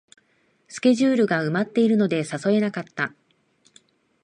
スケジュールが埋まってるので誘えなかった